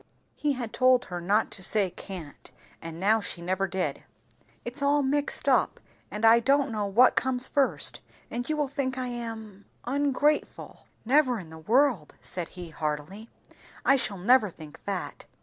(He had told her not to say can't, and now she never did.) "It's all mixed up, and I don't know what comes first; and you will think I am ungrateful." "Never in the world!" said he heartily. "I shall never think that.